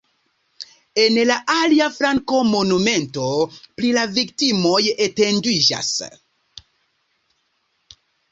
En la alia flanko monumento pri la viktimoj etendiĝas.